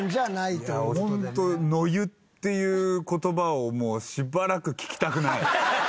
いやあホント野湯っていう言葉をもうしばらく聞きたくない。